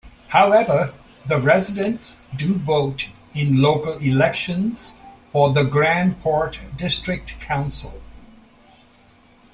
However, the residents do vote in local elections for the Grand Port District council.